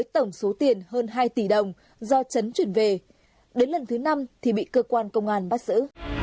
tổng số tiền hơn hai tỷ đồng do trấn chuyển về đến lần thứ năm thì bị cơ quan công an bắt giữ